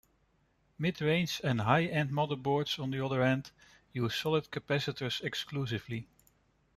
Mid-range and high-end motherboards on the other hand use solid capacitors exclusively.